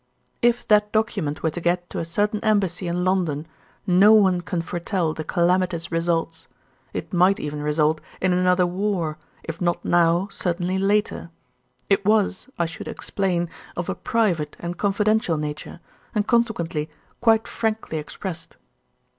"If that document were to get to a certain Embassy in London no one can foretell the calamitous results. It might even result in another war, if not now certainly later. It was, I should explain, of a private and confidential nature, and consequently quite frankly expressed."